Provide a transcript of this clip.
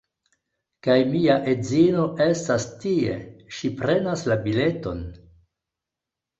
Kaj mia edzino estas tie, ŝi prenas la bileton